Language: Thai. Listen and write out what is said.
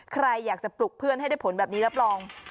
ใครอยากจะปลุกเพื่อนให้ได้ผลแบบนี้รับรอง